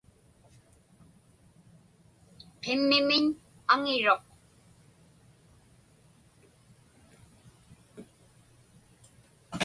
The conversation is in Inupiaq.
Qimmimiñ aŋiruq.